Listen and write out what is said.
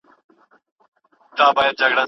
خصوصی نړیوال حقوق دی.